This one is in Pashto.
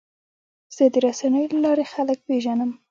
زه د رسنیو له لارې خلک پېژنم.